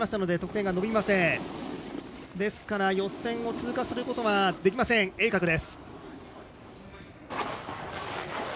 ですから予選を通過することはできません、栄格。